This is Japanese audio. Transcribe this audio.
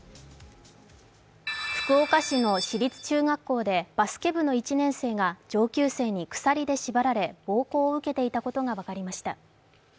福岡市の私立中学校でバスケ部の１年生が上級生に鎖で縛られ暴行を受けていたことが分かりました。